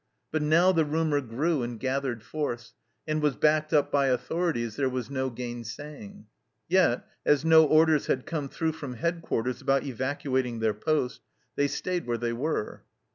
But now the rumour grew and gathered force, and was backed up by authorities there was no gainsaying ; yet, as no orders had come through from head quarters about evacuating their post, they stayed where they were.